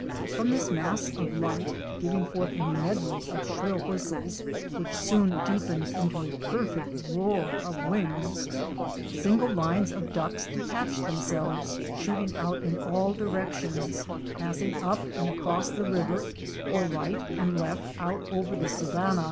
From this mass of life, giving forth a medley of shrill whistles which soon deepened into a perfect roar of wings, single lines of ducks detached themselves, shooting out in all directions, passing up and across the river, or right and left out over the savanna.